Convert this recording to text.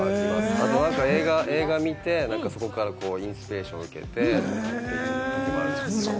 あと、映画を見てそこからインスピレーションを受けてというときもあります。